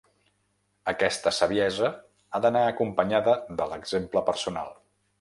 Aquesta saviesa ha d'anar acompanyada de l'exemple personal.